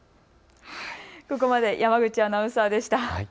ここまで山口アナウンサーでした。